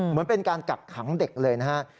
เหมือนเป็นการกักขังเด็กเลยนะฮะ